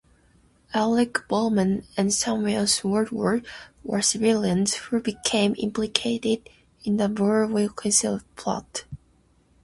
Erick Bollman and Samuel Swartwout were civilians who became implicated in the Burr-Wilkinson Plot.